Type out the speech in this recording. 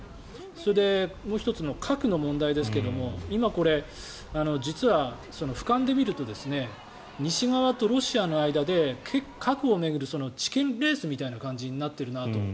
それで、もう１つの核の問題ですが今これ、実は俯瞰で見ると西側とロシアの間で核を巡るチキンレースみたいな感じになっているなと。